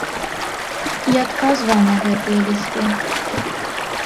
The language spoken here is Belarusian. І адказвае на гэтыя лісты.